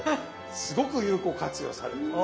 すごく有効活用されてます。